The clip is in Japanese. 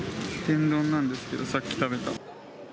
天丼なんですけど、さっき食べた。